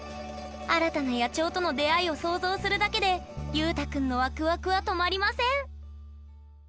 新たな野鳥との出会いを想像するだけでゆうたくんのワクワクは止まりません！